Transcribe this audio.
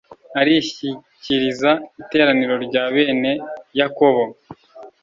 arishyikiriza iteraniro rya bene yakobo.